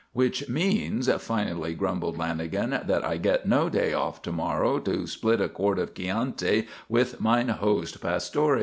"Which means," finally grumbled Lanagan, "that I get no day off to morrow to split a quart of Chianti with mine host Pastori.